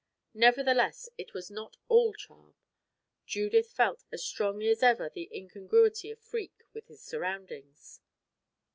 Nevertheless, it was not all charm. Judith felt as strongly as ever the incongruity of Freke with his surroundings.